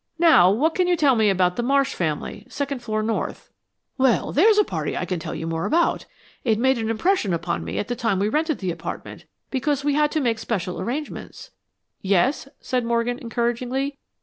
"Now, what can you tell me about the Marsh family, second floor north?" "Well, there's a party I can tell you more about. It made an impression upon me at the time we rented the apartment, because we had to make special arrangements." "Yes," said Morgan, encouragingly.